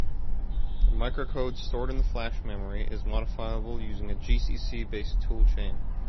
The microcode, stored in flash memory, is modifiable using a gcc-based toolchain.